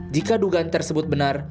jika dugaan tersebut benar